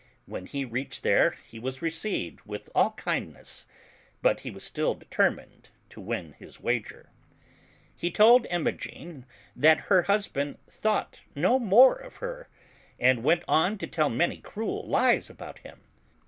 When he reached there he was re ceived with all kindness; but he was still determined to win his wager. He told Imogen that her husband thought no more of her, and went on to tell many cruel lies about him.